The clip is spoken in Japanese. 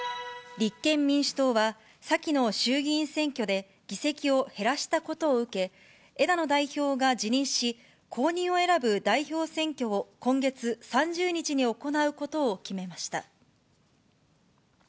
立憲民主党は、先の衆議院選挙で議席を減らしたことを受け、枝野代表が辞任し、後任を選ぶ代表選挙を、今月３０日に行うことを決めました。